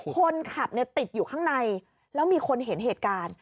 คนขับติดอยู่ข้างในแล้วมีคนเห็นเหตุการณ์